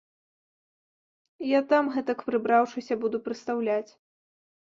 Я там, гэтак прыбраўшыся, буду прыстаўляць.